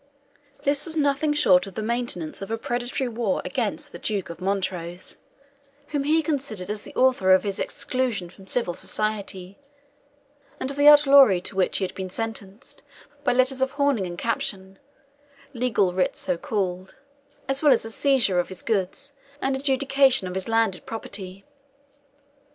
This was nothing short of the maintenance of a predatory war against the Duke of Montrose, whom he considered as the author of his exclusion from civil society, and of the outlawry to which he had been sentenced by letters of horning and caption (legal writs so called), as well as the seizure of his goods, and adjudication of his landed property.